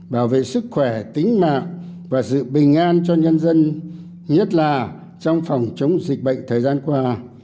bảo vệ sức khỏe tính mạng và sự bình an cho nhân dân nhất là trong phòng chống dịch bệnh thời gian qua